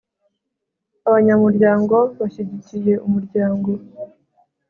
abanyamuryango bashyigikiye umuryango